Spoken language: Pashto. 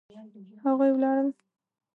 هغوی ولاړل